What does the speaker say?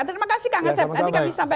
terima kasih kak ngasep